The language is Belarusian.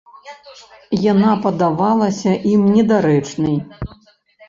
Яна падавалася ім недарэчнай.